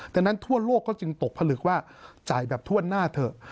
ดังนั้นทั่วโลกก็จึงตกผลึกว่าจ่ายแบบถ้วนหน้าเถอะ